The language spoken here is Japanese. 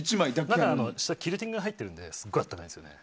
中にキルティングが入ってるのですごい暖かいです。